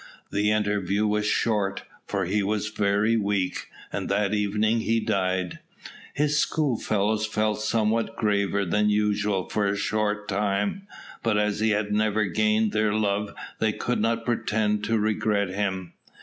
The interview was short, for he was very weak, and that evening he died. His schoolfellows felt somewhat graver than usual for a short time; but as he had never gained their love they could not pretend to regret him.